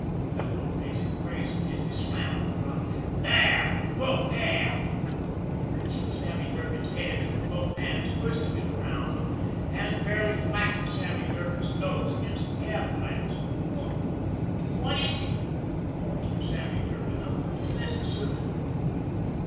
bellowed Macy crazily, as he slammed the throttle shut. "There! Look there!" He reached for Sammy Durgan's head, and with both hands twisted it around, and fairly flattened Sammy Durgan's nose against the cab glass. "What what is it?" faltered Sammy Durgan, a little less assertively.